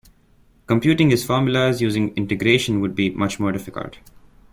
Computing these formulas using integration would be much more difficult.